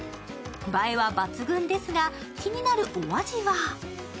映えは抜群ですが、気になるお味は？